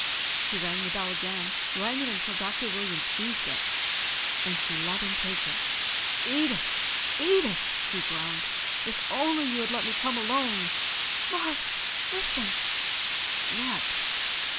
She rang the bell again, rang it until Dr. Williams seized it, then she let him take it. "Edith, Edith," he groaned. "If only you had let me come alone...." "Mark, listen!" "What?"